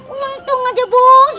untung aja bos